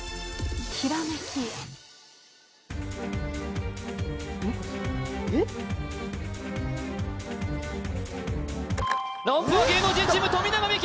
ひらめきランプは芸能人チーム富永美樹